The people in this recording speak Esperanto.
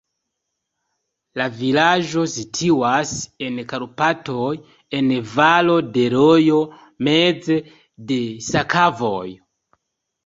La vilaĝo situas en Karpatoj, en valo de rojo, meze de sakovojo.